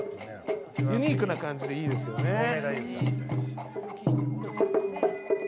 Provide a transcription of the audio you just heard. ユニークな感じでいいですよね。